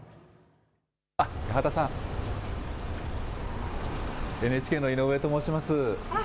八幡さん、ＮＨＫの井上と申します。